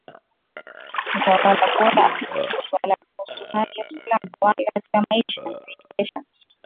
utawala boraAkijibu swali kuhusu hali ya usalama wake katika maisha anayoendesha ya mapambano